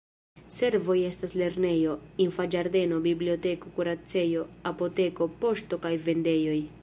Servoj estas lernejo, infanĝardeno, biblioteko, kuracejo, apoteko, poŝto kaj vendejoj.